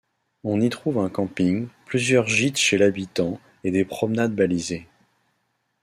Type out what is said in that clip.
On y trouve un camping, plusieurs gîtes chez l'habitant et des promenades balisées.